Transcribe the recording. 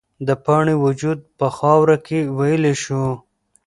د پاڼې وجود په خاوره کې ویلې شو.